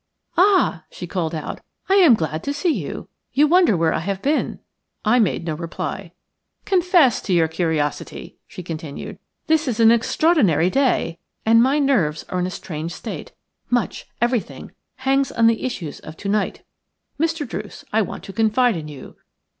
"Ah!" she called out, "I am glad to see you. You wonder where I have been." I made no reply. "Confess to your curiosity," she continued. "This is an extraordinary day, and my nerves are in a strange state. Much – everything – hangs on the issues of to night. Mr. Druce, I want to confide in you."